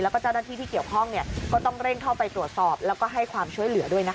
แล้วก็เจ้าหน้าที่ที่เกี่ยวข้องก็ต้องเร่งเข้าไปตรวจสอบแล้วก็ให้ความช่วยเหลือด้วยนะคะ